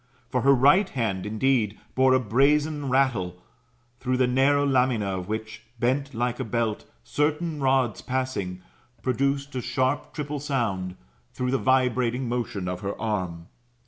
For her right hand, indeed, bore a brazen rattle, through the narrow lamina of which bent like a belt, certain rods passing, produced a sharp triple sound, through the vibrating motion of her arm.